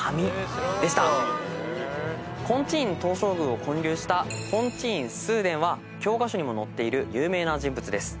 金地院東照宮を建立した金地院崇伝は教科書にも載っている有名な人物です。